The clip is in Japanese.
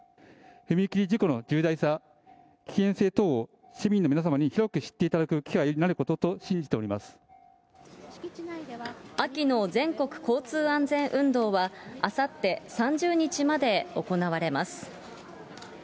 踏切事故の重大さ、危険性等を市民の皆様に広く知っていただく機会になることと信じ秋の全国交通安全運動は、あさって３０日まで行われます。